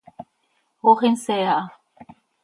Ox insee aha.